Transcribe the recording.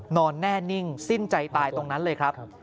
นอนแน่นิ่งสิ้นใจตายตรงนั้นเลยครับ